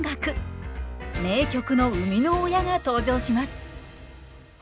名曲の生みの親が登場します。